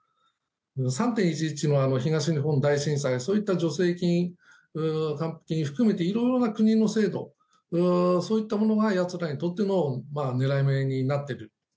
３・１１の東日本大震災そういった助成金、還付金を含めて色々な国の制度そういったものがやつらにとっての狙い目になっている。